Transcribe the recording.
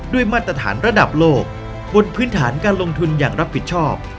มาตรฐานระดับโลกบนพื้นฐานการลงทุนอย่างรับผิดชอบ